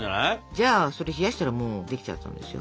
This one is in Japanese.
じゃあそれ冷やしたらもうできちゃったんですよ。